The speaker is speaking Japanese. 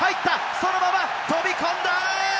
そのまま飛び込んだ！